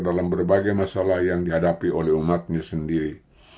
dalam berbagai masalah yang dihadapi oleh umatnya sendiri